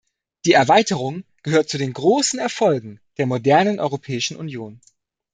Die Erweiterung gehört zu den großen Erfolgen der modernen Europäischen Union.